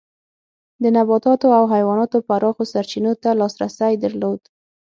د نباتاتو او حیواناتو پراخو سرچینو ته لاسرسی درلود.